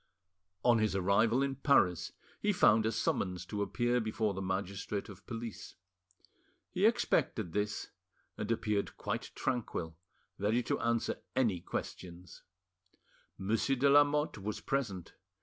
On his arrival in Paris he found a summons to appear before the magistrate of police. He expected this, and appeared quite tranquil, ready to answer any questions. Monsieur de Lamotte was present.